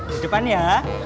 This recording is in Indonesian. di depan ya